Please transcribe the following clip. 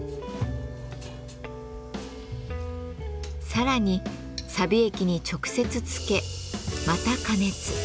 更にさび液に直接漬けまた加熱。